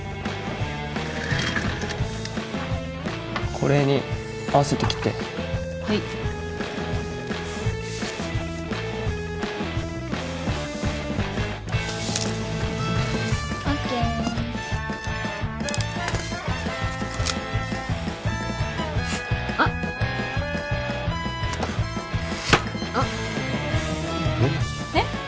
これに合わせて切ってはいＯＫあっあっえっ？